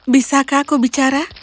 bisakah aku bicara